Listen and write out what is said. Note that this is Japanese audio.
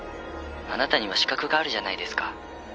「あなたには資格があるじゃないですか」